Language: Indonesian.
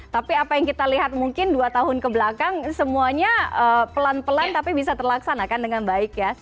tapi apa yang kita lihat mungkin dua tahun kebelakang semuanya pelan pelan tapi bisa terlaksanakan dengan baik ya